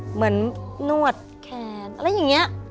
เหมือนนวดแขนอะไรอย่างนี้